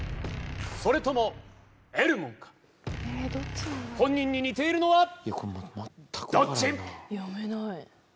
それともＥｌｍｏｎか本人に似ているのはどっち